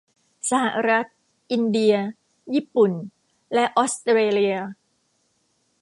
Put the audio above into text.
สหรัฐ อินเดีย ญี่ปุ่น และออสเตรเลีย